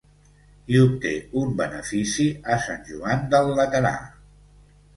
I obté un benefici a Sant Joan del Laterà.